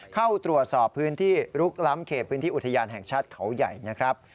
เข้าตรวจสอบพื้นที่ลุกล้ำเขตพื้นที่อุทยานแห่งชาติเขาใหญ่นะครับ